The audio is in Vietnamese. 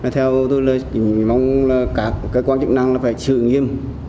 theo tôi mong các cơ quan chức năng phải sự nghiêm